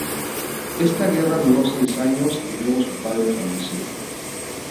Esta guerra duró seis años y luego su padre falleció.